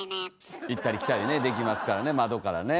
行ったり来たりねできますからね窓からね。